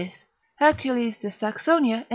Hercules de Saxonia in Pan.